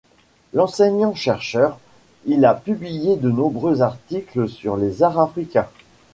Enseignant-chercheur, il a publié de nombreux articles sur les arts africains.